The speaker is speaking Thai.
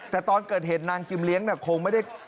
แต่ตอนเกิดเหตุนางกิมเลี้ยงคงไม่ได้